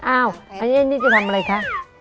อ้าวอันนี้จะทำอะไรคะ